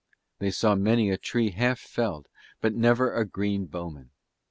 They saw many a tree half felled, but never a green bowman.